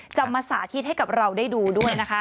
จะมาสาธิตให้กับเราได้ดูด้วยนะคะ